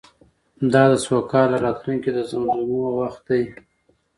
دا د سوکاله راتلونکې د زمزمو وخت و.